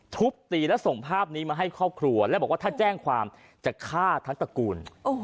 ทุบตีแล้วส่งภาพนี้มาให้ครอบครัวแล้วบอกว่าถ้าแจ้งความจะฆ่าทั้งตระกูล